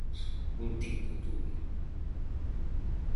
Un tipo duro!